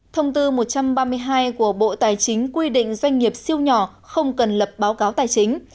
thông tư một trăm ba mươi hai của bộ tài chính quy định doanh nghiệp siêu nhỏ không cần lập báo cáo tài chính